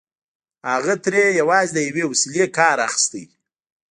هغه ترې يوازې د يوې وسيلې کار اخيست.